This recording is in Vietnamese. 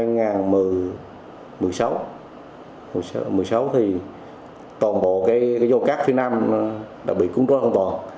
năm hai nghìn một mươi sáu thì toàn bộ cái vô cát phía nam đã bị cúng rối hoàn toàn